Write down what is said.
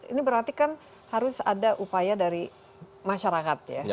ini berarti kan harus ada upaya dari masyarakat ya